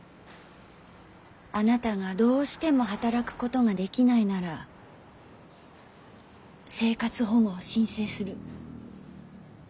あなたがどうしても働くことができないなら生活保護を申請する。